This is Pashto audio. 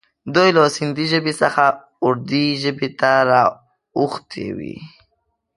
دوی له سیندي ژبې څخه اردي ژبې ته را اوښتي وي.